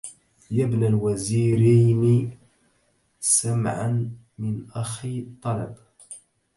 يا ابن الوزيرين سمعا من أخي طلب